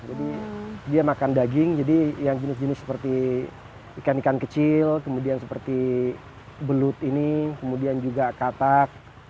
jadi dia makan daging jadi yang jenis jenis seperti ikan ikan kecil kemudian seperti belut ini kemudian juga katak